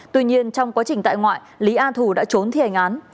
tuy nhiên trong quá trình tại ngoại lý a thù đã trốn thề ngán